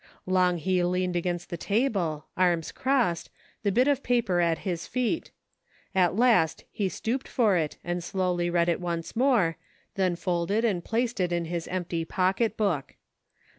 Long he leaned against the table, arms crossed, the bit of paper at his feet ; at last he stooped for it and slowly read it once more, then folded and placed it m his empty pocketbook.